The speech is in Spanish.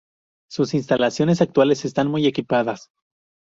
Sus instalaciones actuales están muy equipadas.